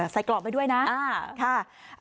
ใส่กรอบไว้ด้วยนะค่ะ